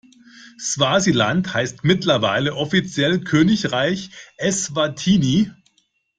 Swasiland heißt mittlerweile offiziell Königreich Eswatini.